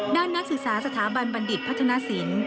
นักศึกษาสถาบันบัณฑิตพัฒนศิลป์